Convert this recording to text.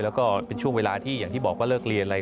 แล้วก็เป็นช่วงเวลาที่อย่างที่บอกว่าเลิกเรียนอะไร